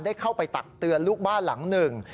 ได้เข้าไปตักเตือนลูกบ้านหลังหนึ่ง